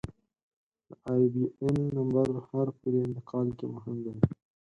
د آیبياېن نمبر هر پولي انتقال کې مهم دی.